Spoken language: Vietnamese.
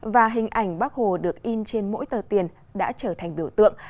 và hình ảnh bác hồ được in trên mỗi tờ tiền đã trở thành biểu tượng